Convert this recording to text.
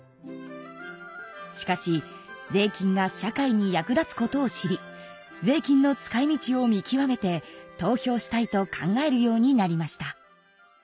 しかし税金が社会に役立つことを知り税金の使いみちを見極めて投票したいと考えるようになりました。